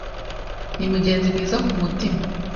Ni mugenzi mwiza kumutima